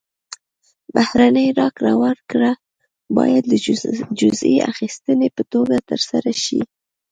بهرنۍ راکړه ورکړه باید د جزیې اخیستنې په توګه ترسره شي.